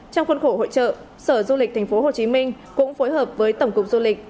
trong khuôn khổ hội trợ sở du lịch thành phố hồ chí minh cũng phối hợp với tổng cục du lịch